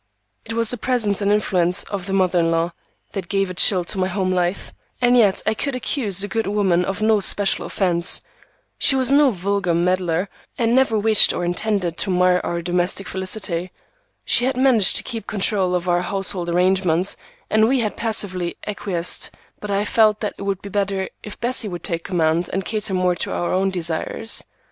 It was the presence and influence of the mother in law that gave a chill to my home life, and yet I could accuse the good woman of no special offence. She was no vulgar meddler, and never wished or intended to mar our domestic felicity. She had managed to keep control of our household arrangements and we had passively acquiesced, but I felt that it would be better if Bessie would take command and cater more to our own desires.